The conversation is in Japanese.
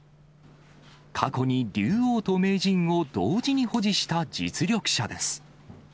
過去に竜王と名人を同時に保持した実力者です。